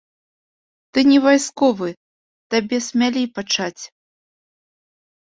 Ты не вайсковы, табе смялей пачаць.